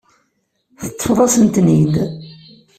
Teṭṭfeḍ-asent-ten-id.